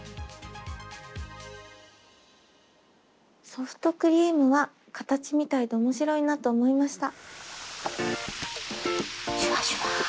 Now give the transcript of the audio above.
ソフトクリームは形みたいで面白いなと思いました。